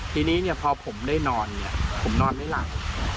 ทีนี้พอผมได้นอนผมนอนได้หลัง